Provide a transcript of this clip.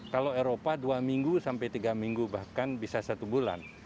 kalau eropa dua minggu sampai tiga minggu bahkan bisa satu bulan